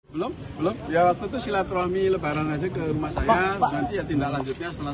belum belum ya waktu itu silaturahmi lebaran aja ke rumah saya nanti ya tindak lanjutnya setelah